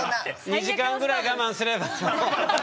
２時間ぐらい我慢すればもう。